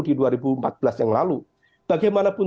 di dua ribu empat belas yang lalu bagaimanapun